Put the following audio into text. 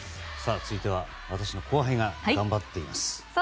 続いては私の後輩が頑張っています。